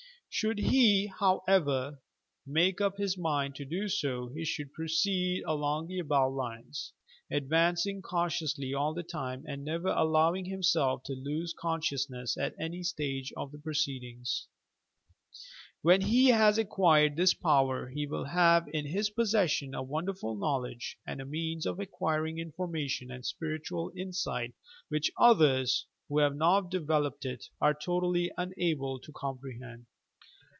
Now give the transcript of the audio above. Should he, however, make up his mind to do so, he should proceed along the above lines, advancing cau tiously all the time and never allowing himself to lose consciousness at any stage of the proceedings. When he has acquired this power, he will have in his possession a wonderful knowledge, and a means of acquir ing information and spiritual insight which others, who have not developed it, are totally unable to comprehend.